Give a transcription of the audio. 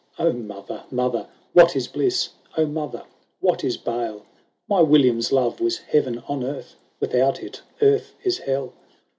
xiv " O mother, mother ! What is bliss ? O mother, what is bale ? My William's love was heaven on earth, Without it earth is hell.